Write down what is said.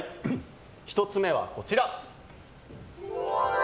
１つ目はこちら。